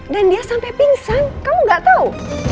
dan dia sampai pingsan kamu nggak tahu